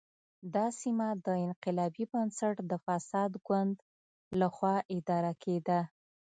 دا سیمه د انقلابي بنسټ د فاسد ګوند له خوا اداره کېده.